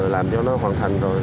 làm cho nó hoàn thành rồi